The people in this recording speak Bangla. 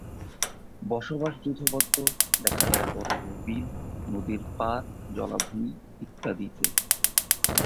বসবাস যূথবদ্ধ, দেখা যায় বড় বড় বিল, নদীর পাড়, জলাভূমি, ইত্যাদিতে।